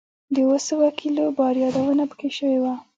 د اووه سوه کیلو بار یادونه په کې شوې وه.